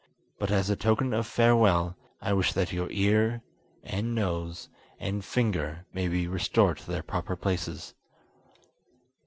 But as a token of farewell, I wish that your ear, and nose, and finger may be restored to their proper places."